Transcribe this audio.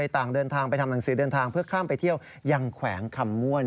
ต่างเดินทางไปทำหนังสือเดินทางเพื่อข้ามไปเที่ยวยังแขวงคำม่วน